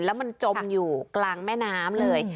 แล้วมันจมอยู่กลางแม่น้ำเลย